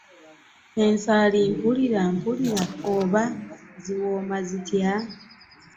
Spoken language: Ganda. Ensaali mpulira mpulire oba ziwooma zitya?